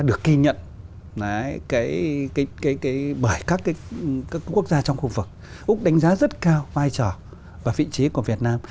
được ghi nhận bởi các quốc gia trong khu vực úc đánh giá rất cao vai trò và vị trí của việt nam